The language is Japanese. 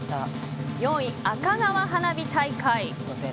４位、赤川花火大会。